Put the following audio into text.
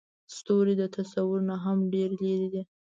ستوري د تصور نه هم ډېر لرې دي.